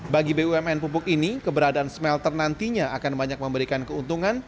bagi bumn pupuk ini keberadaan smelter nantinya akan banyak memberikan keuntungan